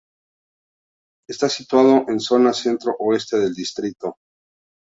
Está situado en zona centro-oeste del distrito.